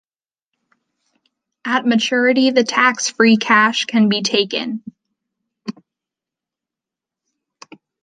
At maturity the tax free cash can be taken.